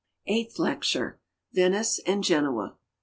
Eighth lecture— Venice and Genoa.